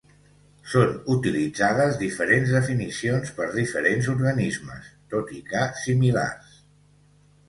Són utilitzades diferents definicions per diferents organismes, tot i que similars.